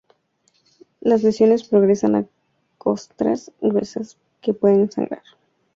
Las lesiones progresan a costras gruesas que pueden sangrar.